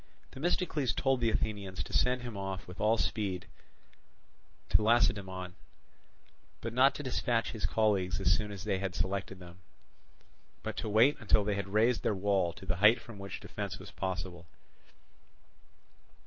Themistocles told the Athenians to send him off with all speed to Lacedaemon, but not to dispatch his colleagues as soon as they had selected them, but to wait until they had raised their wall to the height from which defence was possible.